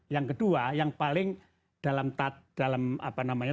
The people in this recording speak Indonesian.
yang kedua yang paling dalam apa namanya